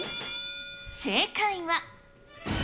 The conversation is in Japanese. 正解は。